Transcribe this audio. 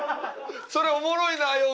それおもろいなよ